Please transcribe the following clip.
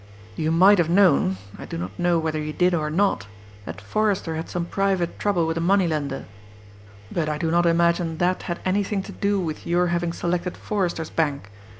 You might have known, I do not know whether you did or not, that Forrester had some private trouble with a money lender, but I do not imagine that had anything to do with your having selected Forrester's bank.